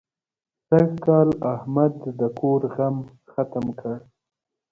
سږکال احمد د کور غم ختم کړ.